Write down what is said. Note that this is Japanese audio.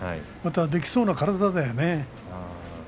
また、できそうな体だよね。